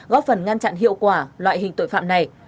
góp phần ngăn chặn hiệu quả loại hình tội phạm này